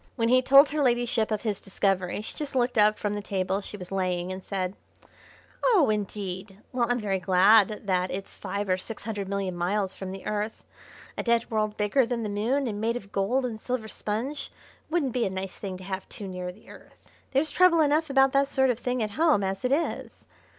When he told her ladyship of his discovery she just looked up from the table she was laying and said: "Oh, indeed! Well, I'm very glad that it's five or six hundred million miles from the Earth. A dead world bigger than the Moon, and made of gold and silver sponge, wouldn't be a nice thing to have too near the Earth. There's trouble enough about that sort of thing at home as it is.